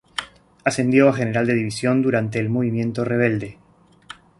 Ascendió a general de división durante el movimiento rebelde.